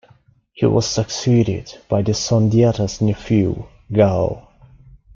He was succeeded by Sundiata's nephew Gao.